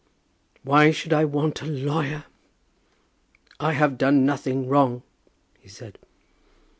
"Why should I want a lawyer? I have done nothing wrong," he said.